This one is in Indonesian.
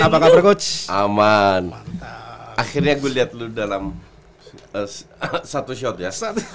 apa kabar coach aman akhirnya gua lihat lu dalam satu shot ya